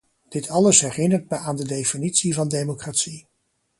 Dit alles herinnert me aan de definitie van democratie.